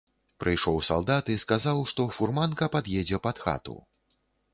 Прыйшоў салдат і сказаў, што фурманка пад'едзе пад хату.